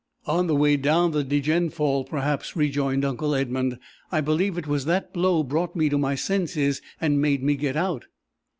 "On the way down the Degenfall, perhaps!" rejoined uncle Edmund. " I believe it was that blow brought me to my senses, and made me get out!"